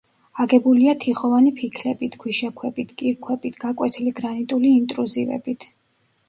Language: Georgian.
აგებულია თიხოვანი ფიქლებით, ქვიშაქვებით, კირქვებით, გაკვეთილი გრანიტული ინტრუზივებით.